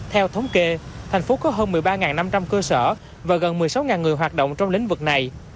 theo thống kê thành phố có hơn một mươi ba năm trăm linh cơ sở và gần một mươi sáu người hoạt động trong lĩnh vực này